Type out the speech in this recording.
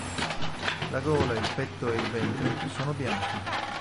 La gola, il petto e il ventre sono bianchi.